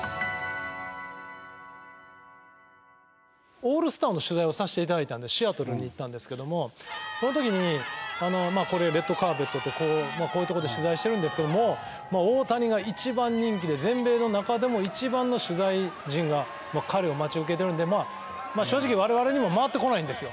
オールスターの取材をさせて頂いたんでシアトルに行ったんですけどもその時にまあこれレッドカーペットでこういうとこで取材してるんですけども大谷が一番人気で全米の中でも一番の取材陣が彼を待ち受けてるんでまあ正直我々にも回ってこないんですよ。